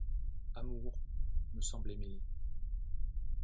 Amour, me semblaient mêlées